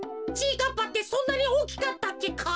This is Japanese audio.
かっぱってそんなにおおきかったっけか？